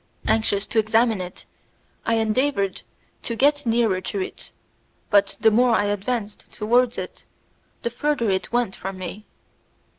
Anxious to examine it, I endeavoured to get nearer to it, but the more I advanced towards it the further it went from me.